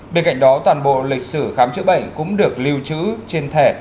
bên cạnh đó toàn bộ lịch sử khám chữa bệnh cũng được lưu trữ trên thẻ